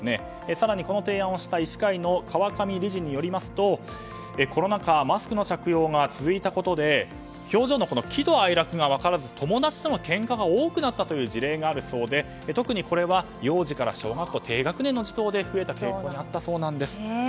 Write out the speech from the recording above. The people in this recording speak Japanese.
更にこの提案をした医師会の川上理事によりますとコロナ禍マスクの着用が続いたことで喜怒哀楽が分からず友達とのけんかが多くなったという事例があるそうで特にこれは幼児から小学校低学年の児童で増えた傾向があったそうなんです。